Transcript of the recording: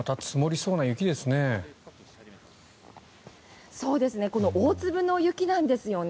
そうですね。